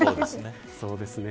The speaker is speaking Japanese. そうですね。